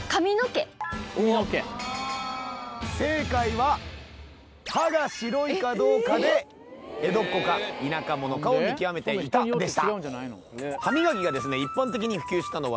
正解は「歯が白いかどうかで江戸っ子か田舎者かを見極めていた」でした。